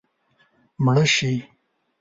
مړه شي